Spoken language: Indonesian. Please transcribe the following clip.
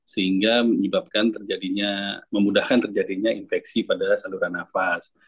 sehingga menyebabkan terjadinya memudahkan terjadinya infeksi pada saluran nafas